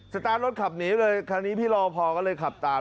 ตาร์ทรถขับหนีเลยคราวนี้พี่รอพอก็เลยขับตาม